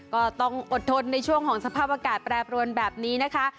ก็ต้องอดทนในช่วงของสภาพอากาศแปรปรวนแบบนี้นะคะ